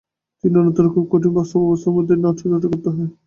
কিন্তু অন্যত্র খুব কঠিন বাস্তব অবস্থার মধ্য দিয়ে নাট্যচর্চা করতে হয়।